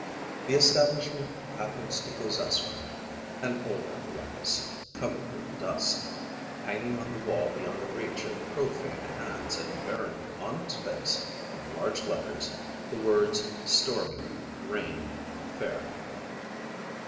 The establishment happens to possess one, an old apparatus, covered with dust, hanging on the wall beyond the reach of profane hands and bearing on its face, in large letters, the words stormy, rain, fair.